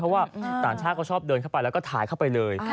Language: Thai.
เพราะว่าต่างชาติก็ชอบเดินเข้าไปแล้วก็ถ่ายเข้าไปเลย